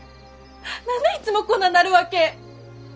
何でいっつもこんななるわけ？